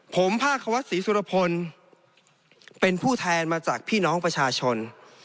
ผมภาควัดศรีสุรพลเป็นผู้แทนมาจากพี่น้องประชาชน